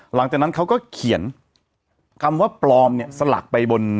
หลังจากนั้นเขาก็เขียนคำว่าปลอมเนี่ยสลักไปบน